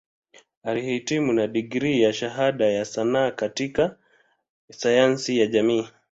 Alihitimu na digrii ya Shahada ya Sanaa katika Sayansi ya Jamii.